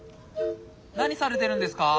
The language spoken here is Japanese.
何されてるんですか？